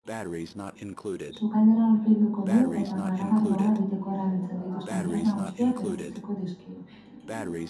Sukaldera hurbilduko du, eta garagardoa egiteko erabiltzen dituen tresna guztiak erakutsiko dizkio.